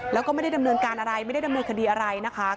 แล้วก็ไม่ได้ดำเนินการอะไรไม่ได้ดำเนินคดีอะไรนะคะ